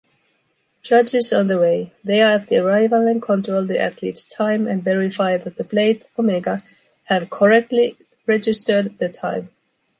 Judges on the way: they are at the arrival and control the athletes’ time and verify that the plate (omega) have correctly registered the time